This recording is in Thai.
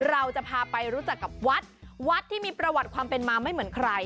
เราจะพาไปรู้จักกับวัดวัดที่มีประวัติความเป็นมาไม่เหมือนใคร